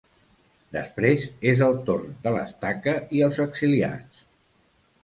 Després és el torn de la ‘Estaca’ i els exiliats.